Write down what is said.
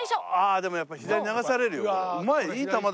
でもやっぱ左に流されるよこれ。